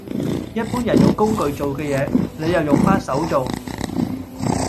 一般人用工具做嘅嘢，你又用返手做